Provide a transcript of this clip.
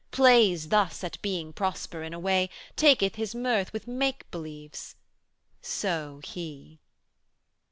'Plays thus at being Prosper in a way, Taketh his mirth with make believes: so He.